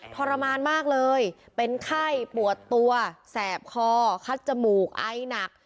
ทรมานมากเลยเป็นไข้ปวดตัวแสบคอคัดจมูกไอหนัก